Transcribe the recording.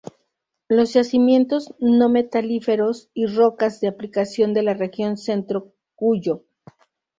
Los yacimientos no metalíferos y rocas de aplicación de la región Centro-Cuyo.